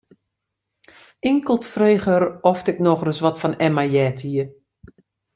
Inkeld frege er oft ik noch ris wat fan Emma heard hie.